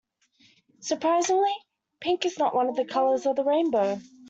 Surprisingly, pink is not one of the colours of the rainbow.